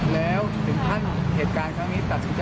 แล้วถึงขั้นเหตุการณ์ครั้งนี้ตัดสินใจ